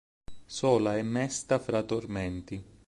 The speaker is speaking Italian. Sola e mesta fra tormenti".